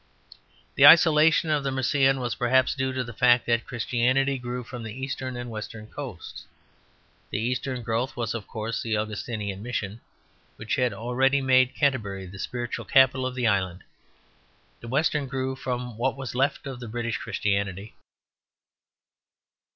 The isolation of the Mercian was perhaps due to the fact that Christianity grew from the eastern and western coasts. The eastern growth was, of course, the Augustinian mission, which had already made Canterbury the spiritual capital of the island. The western grew from whatever was left of the British Christianity.